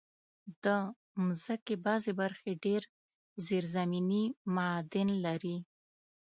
د مځکې بعضي برخې ډېر زېرزمینې معادن لري.